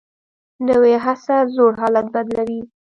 نوې هڅه زوړ حالت بدلوي